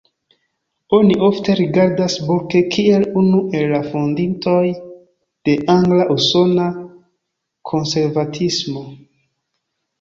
Oni ofte rigardas Burke kiel unu el la fondintoj de angla-usona konservativismo.